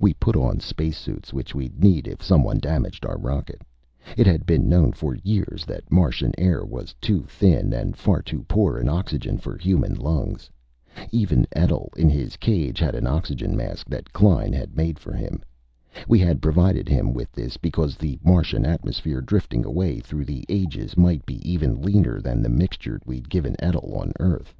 We put on spacesuits, which we'd need if someone damaged our rocket. It had been known for years that Martian air was too thin and far too poor in oxygen for human lungs. Even Etl, in his cage, had an oxygen mask that Klein had made for him. We had provided him with this because the Martian atmosphere, drifting away through the ages, might be even leaner than the mixture we'd given Etl on Earth.